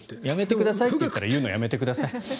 やめてくださいって言われたら言うのやめてください。